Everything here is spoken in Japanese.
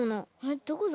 どこだ？